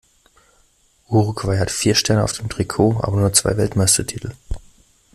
Uruguay hat vier Sterne auf dem Trikot, aber nur zwei Weltmeistertitel.